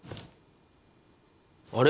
あれ？